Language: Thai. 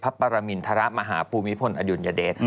ปรมินทรมาหาภูมิพลอดุลยเดช